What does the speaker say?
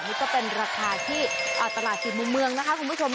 นี่ก็เป็นราคาที่ตลาดสี่มุมเมืองนะคะคุณผู้ชม